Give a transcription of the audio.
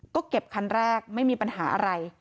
ก็เก็บคันแรกไม่มีปัญหาอะไร